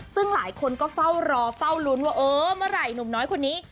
ซึ่งหลายคนก็เฝ้ารอเฝ้าลุ้นว่าเออเมื่อไหร่หนุ่มน้อยคนนี้